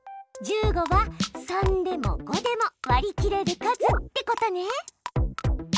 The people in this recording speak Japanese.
１５は３でも５でも割り切れる数ってことね！